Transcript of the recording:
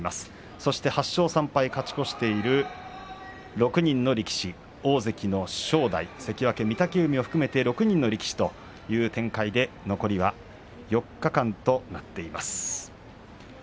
そして、８勝３敗勝ち越している６人の力士大関の正代、関脇御嶽海を含めて６人の力士という展開で残りは４日間となっています。